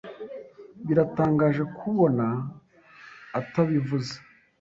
Biratangaje kubona atabivuze.